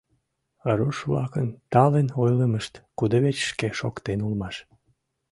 Руш-влакын талын ойлымышт кудывечышке шоктен улмаш.